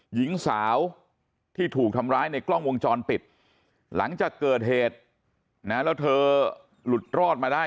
หญิงสาวที่ถูกทำร้ายในกล้องวงจรปิดหลังจากเกิดเหตุนะแล้วเธอหลุดรอดมาได้